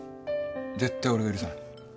絶対俺が許さない！